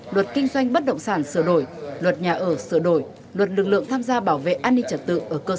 luật kinh doanh bất động sản sửa đổi luật nhà ở sửa đổi luật lực lượng tham gia bảo vệ an ninh trật tự